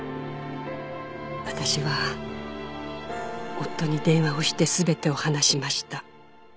「私は夫に電話をして全てを話しました」